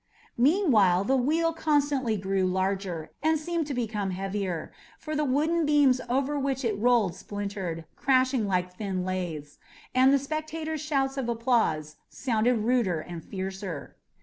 Meanwhile the wheel constantly grew larger, and seemed to become heavier, for the wooden beams over which it rolled splintered, crashing like thin laths, and the spectators' shouts of applause sounded ruder and fiercer.